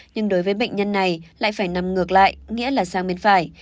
nhưng đối với bệnh nhân này lại phải nằm ngược lại nghĩa là sang bên phải